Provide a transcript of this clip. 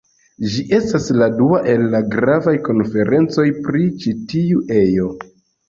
Ĝi estas la dua el du gravaj konferencoj pri ĉi tiu ejo.